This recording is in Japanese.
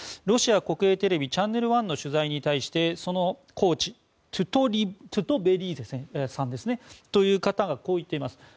ロシア国営テレビチャンネル１の取材に対してそのコーチトゥトベリーゼさんという方がこう言っています。